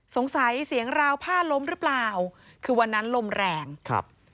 เสียงราวผ้าล้มหรือเปล่าคือวันนั้นลมแรงครับ